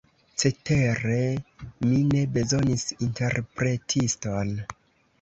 Cetere, mi ne bezonis interpretiston.